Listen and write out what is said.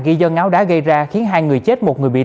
ghi do ngáo đã gây ra khiến hai người chết